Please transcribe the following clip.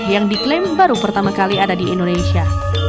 yang diklaim baru pertama kali ada di indonesia